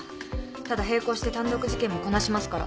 ただ並行して単独事件もこなしますから。